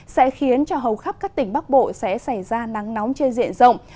sẽ khiến cho hầu khắp các tỉnh bắc bộ sẽ xảy ra nắng nóng trên diện rộng